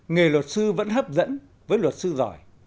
nghề luật sư vẫn hấp dẫn với luật sư giỏi